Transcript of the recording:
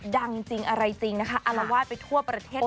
จริงอะไรจริงนะคะอารวาสไปทั่วประเทศ